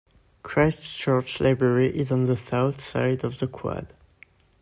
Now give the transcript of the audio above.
Christ Church Library is on the south side of the quad.